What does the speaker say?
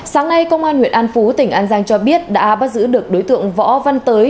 sáng nay công an huyện an phú tỉnh an giang cho biết đã bắt giữ được đối tượng võ văn tới